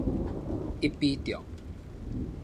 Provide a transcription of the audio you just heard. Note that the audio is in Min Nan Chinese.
一匕中